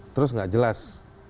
terus tidak jelas